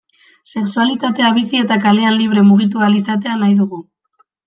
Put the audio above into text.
Sexualitatea bizi eta kalean libre mugitu ahal izatea nahi dugu.